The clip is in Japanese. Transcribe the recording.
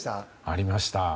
ありました。